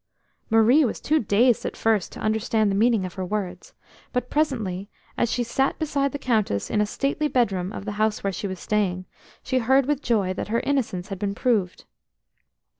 ARIE was too dazed at first to understand the meaning of her words, but presently, as she sat beside the Countess in a stately bedroom of the house where she was staying, she heard with joy that her innocence had been proved.